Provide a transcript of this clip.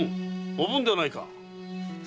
おぶんではないか。